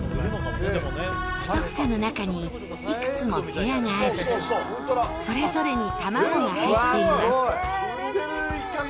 １房の中にいくつも部屋があり、それぞれに卵が入っています。